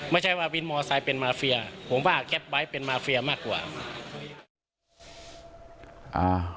ไม่ใช่ว่าวินมอไซค์เป็นมาเฟียผมว่าแก๊ปไบท์เป็นมาเฟียมากกว่า